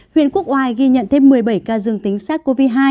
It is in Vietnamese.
huyện quốc oai ghi nhận thêm một mươi bảy ca dương tính sars cov hai